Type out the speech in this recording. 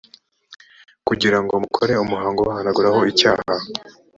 kugira ngo mukore umuhango ubahanaguraho icyaha.